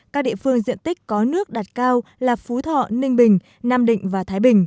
các địa phương diện tích có nước đặt cao là phú thọ ninh bình nam định và thái bình